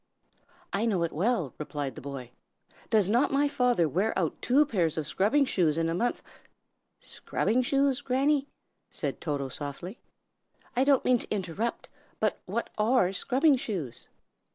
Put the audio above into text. "I know it well," replied the boy. "Does not my father wear out two pairs of scrubbing shoes in a month " "Scrubbing shoes, Granny?" said Toto, softly. "I didn't mean to interrupt, but what are scrubbing shoes?"